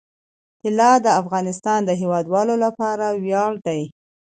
طلا د افغانستان د هیوادوالو لپاره ویاړ دی.